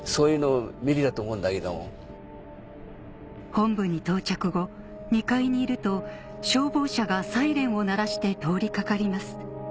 本部に到着後２階にいると消防車がサイレンを鳴らして通り掛かります